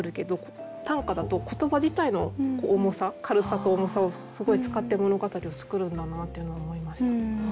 短歌だと言葉自体の「重さ」「軽さ」と「重さ」をすごい使って物語を作るんだなっていうのを思いました。